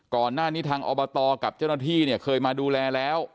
ก่อนหน้านี้ทางอบตกับเจ้าหน้าที่เนี่ยเคยมาดูแลแล้ว